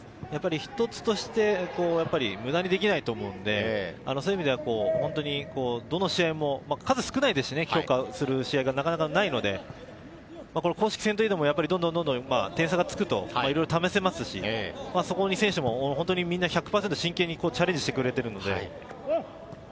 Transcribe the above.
一つとして無駄にできないと思うので、そういう意味では、どの試合も数少ないですよね、評価する試合がなかなかないので、公式戦というのもどんどん点差がつくといろいろ試せますし、そこに選手も、１００％、真剣にチャレンジしてくれているので。